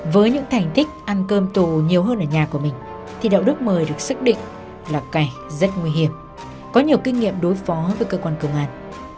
với những thành tích ăn cơm tù nhiều hơn ở nhà của mình thì đạo đức mời được xác định là kẻ rất nguy hiểm có nhiều kinh nghiệm đối phó với cơ quan công an